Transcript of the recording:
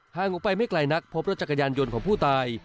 ออกไปไม่ไกลนักพบรถจักรยานยนต์ของผู้ตาย